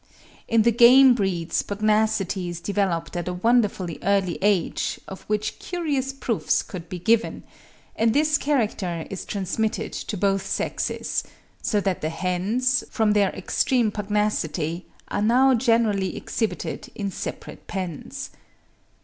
In the Game breeds pugnacity is developed at a wonderfully early age, of which curious proofs could be given; and this character is transmitted to both sexes, so that the hens, from their extreme pugnacity, are now generally exhibited in separate pens.